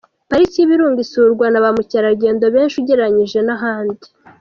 Pariki y’Ibirunga isurwa na bamukerarugendo benshi ugereranyije n’ahandi.